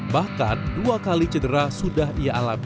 bahkan dua kali cedera sudah ia alami